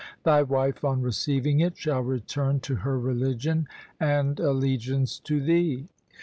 Thy wife on receiving it shall return to her religion and allegiance to thee.'